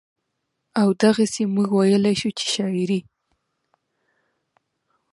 او دغسې مونږ وئيلے شو چې شاعري